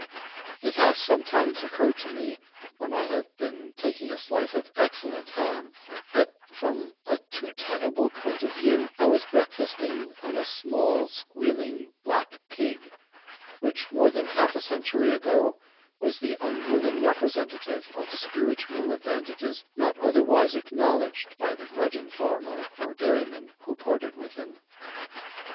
It has sometimes occurred to me when I have been taking a slice of excellent ham that, from a too tenable point of view, I was breakfasting on a small squealing black pig which, more than half a century ago, was the unwilling representative of spiritual advantages not otherwise acknowledged by the grudging farmer or dairyman who parted with him.